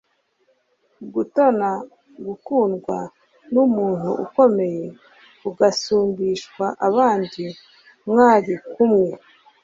gutona gukundwa n'umuntu ukomeye ugasumbishwa abandi mwari kumwe